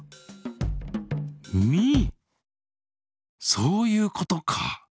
そういうことか！